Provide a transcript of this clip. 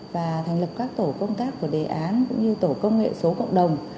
và thành lập các tổ công tác của đề án cũng như tổ công nghệ số cộng đồng